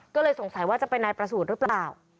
ก็เลยสงสัยว่าจะเป็นนายประสูจน์หรือเปล่า